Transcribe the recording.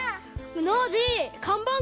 ノージーかんばん